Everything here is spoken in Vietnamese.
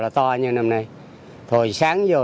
là to như năm nay thôi sáng giờ